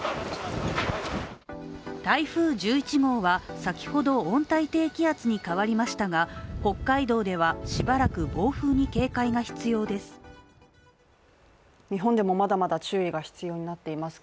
台風１１号は先ほど温帯低気圧に変わりましたが北海道では、しばらく暴風に警戒が必要です。